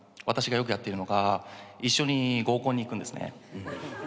私がよくやっているのが一緒に合コンに行くんですね。